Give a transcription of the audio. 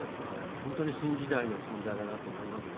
本当に新時代の犯罪だなと思いますね。